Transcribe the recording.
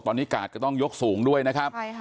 ตอนนี้กาดก็ต้องยกสูงด้วยนะครับ